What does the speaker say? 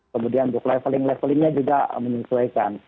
kemudian untuk leveling levelingnya juga menyesuaikan